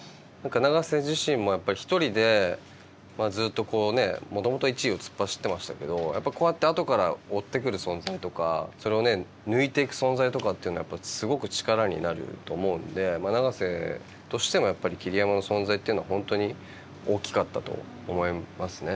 永瀬自身もやっぱり一人でずっともともと１位を突っ走ってましたけどやっぱこうやって後から追ってくる存在とかそれを抜いていく存在とかっていうのはすごく力になると思うんで永瀬としてもやっぱり桐山の存在っていうのは本当に大きかったと思いますね。